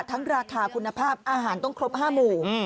ราคาคุณภาพอาหารต้องครบ๕หมู่